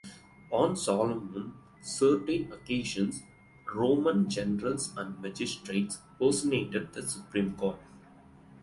On solemn certain occasions Roman generals and magistrates personated the supreme god.